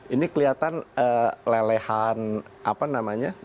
ini kelihatan lelehan apa namanya